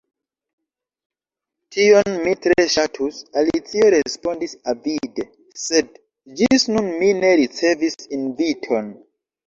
"Tion mi tre ŝatus," Alicio respondis avide, "sed ĝis nun mi ne ricevis inviton."